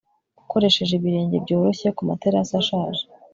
Ukoresheje ibirenge byoroshye kumaterasi ashaje